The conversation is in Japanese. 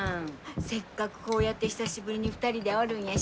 せっかくこうやって久しぶりに２人でおるんやし。